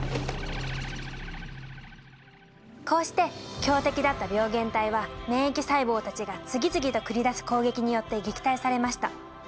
こうして強敵だった病原体は免疫細胞たちが次々と繰り出す攻撃によって撃退されました。